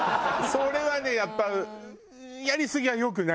それはねやっぱやりすぎは良くないんだよね。